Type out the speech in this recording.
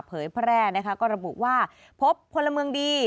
เผยแพร่ก็ระบุว่าพบคนละเมืองดี